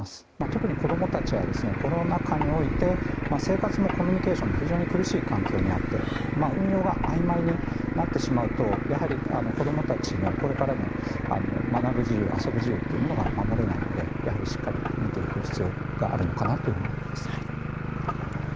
特に子供たちはコロナ禍において生活のコミュニケーションが非常に苦しい環境にあって運用があいまいになると子供たちのこれからの学ぶ自由遊ぶ自由というものが守れないので、やはりしっかり見ていく必要があるのかなと思います。